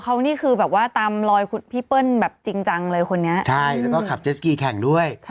เขานี่คือแบบว่าตามรอยคุณพี่เปิ้ลแบบจริงจังเลยคนนี้ใช่แล้วก็ขับเจสกีแข่งด้วย